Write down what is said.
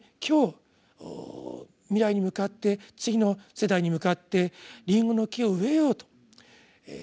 今日未来に向かって次の世代に向かってリンゴの木を植えようと。